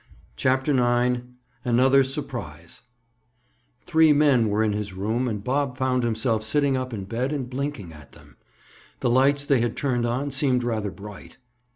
CHAPTER IX—ANOTHER SURPRISE Three men were in his room and Bob found himself sitting up in bed and blinking at them. The lights they had turned on seemed rather bright.